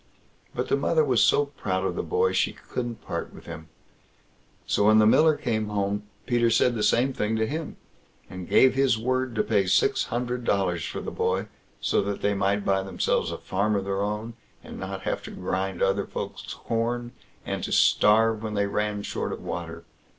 But the mother was so proud of the boy, she couldn't part with him. So when the miller came home, Peter said the same thing to him, and gave his word to pay six hundred dollars for the boy, so that they might buy themselves a farm of their own, and not have to grind other folks' corn, and to starve when they ran short of water.